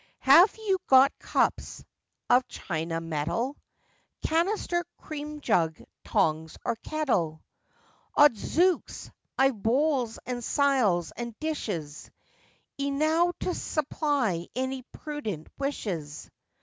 'Have you got cups of China mettle, Canister, cream jug, tongs, or kettle?' 'Odzooks, I've bowls, and siles, and dishes, Enow to supply any prudent wishes.